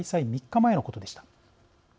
３日前のことでした。